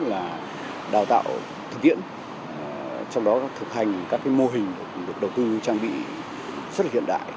chương trình đào tạo thực hiện trong đó thực hành các mô hình được đầu tư trang bị rất hiện đại